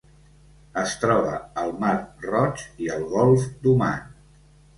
Es troba al Mar Roig i el Golf d'Oman.